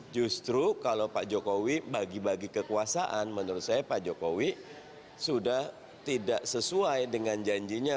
justru kalau pak jokowi bagi bagi kekuasaan menurut saya pak jokowi sudah tidak sesuai dengan janjinya